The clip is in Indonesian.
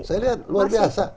saya lihat luar biasa